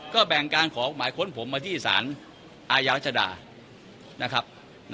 ก็แบ่งการขอหมายค้นผมมาที่สารอาญารัชดานะครับ